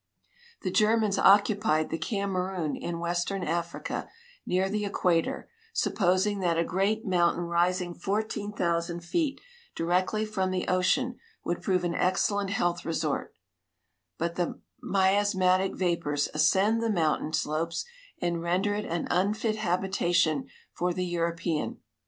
The Germans occupied the Kamerun, in western Africa, near the equator, supposing that a great mountain rising fourteen thousand feet directly from the ocean would prove an excellent health resort; but the miasmatic vapors ascend the mountain slopes and render it an unfit habitation for the European.